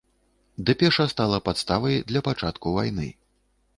Дэпеша стала падставай для пачатку вайны.